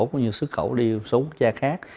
cũng như xuất khẩu đi số quốc gia khác